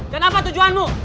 dan apa tujuanmu